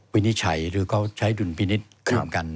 วินิจฉัยหรือเขาใช้ดุลพินิจทั้งกัน